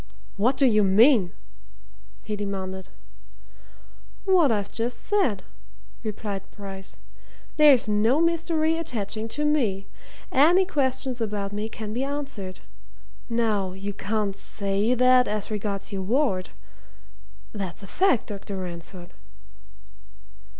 "What do you mean?" he demanded. "What I've just said," replied Bryce. "There's no mystery attaching to me. Any question about me can be answered. Now, you can't say that as regards your ward. That's a fact, Dr. Ransford."